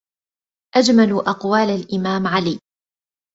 أجمل أقوال الإمام علي:-